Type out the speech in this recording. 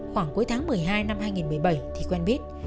khoảng cuối tháng một mươi hai năm hai nghìn một mươi bảy thì quen biết